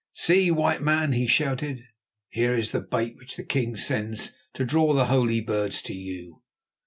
"See, White Man," he shouted, "here is the bait which the king sends to draw the holy birds to you.